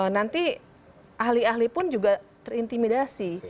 nanti ahli ahli pun juga terintimidasi